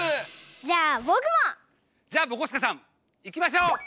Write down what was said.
じゃあぼくも！じゃあぼこすけさんいきましょう！